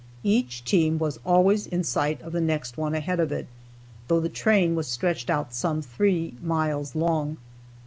Each team was always in sight of the next one ahead of it, though the train was stretched out some three miles long.